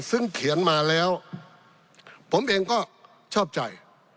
ซึ่งเขียนมาแล้วผมเองก็ชอบใจ